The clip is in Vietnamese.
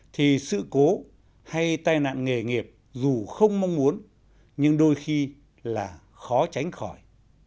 thì sự cố hay tai nạn nghề nghiệp dù không mong muốn nhưng đôi khi là khó tránh khỏi